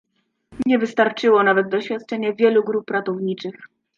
Nie wystarczyło nawet doświadczenie wielu grup ratowniczych